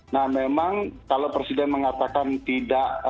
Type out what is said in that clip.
nah memang kalau presiden mengatakan tidak